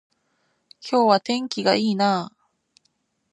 今日は天気が良いなあ